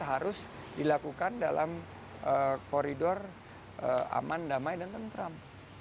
harus dilakukan dalam koridor aman damai dan tentram